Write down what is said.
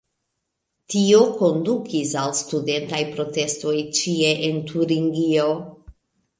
Tio kondukis al studentaj protestoj ĉie en Turingio.